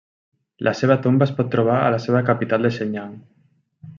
La seva tomba es pot trobar a la seva capital de Shenyang.